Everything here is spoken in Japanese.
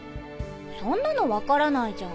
そんなの分からないじゃん